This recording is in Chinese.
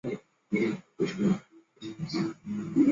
各国使用的乘法表有可能不太一样。